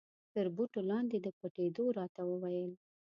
تر بوټو لاندې د پټېدو را ته و ویل.